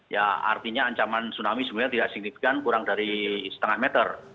ya artinya ancaman tsunami sebenarnya tidak signifikan kurang dari setengah meter